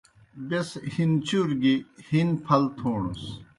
بیْس ہِنچُور گیْ ہِن پھل تھوݨَس۔